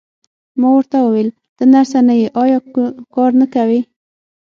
ما ورته وویل: ته نرسه نه یې، ایا کار نه کوې؟